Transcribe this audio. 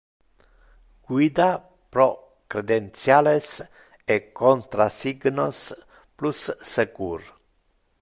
Guida pro credentiales e contrasignos plus secur.